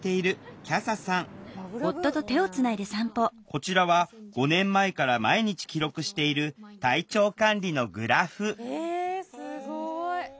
こちらは５年前から毎日記録している体調管理のグラフえすごい！